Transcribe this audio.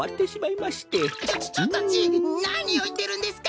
ちょちょっとじいなにをいってるんですか！？